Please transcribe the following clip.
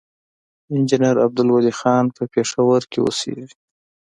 انجينير عبدالولي خان پۀ پېښور کښې اوسيږي،